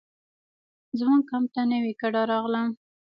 زموږ کمپ ته نوې کډه راغله.